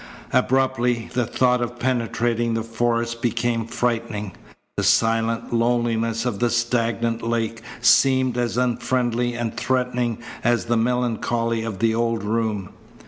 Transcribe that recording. Abruptly the thought of penetrating the forest became frightening. The silent loneliness of the stagnant lake seemed as unfriendly and threatening as the melancholy of the old room.